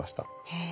へえ。